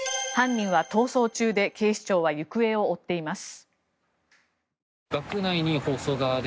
犯人は逃走中で警視庁は行方を追っています。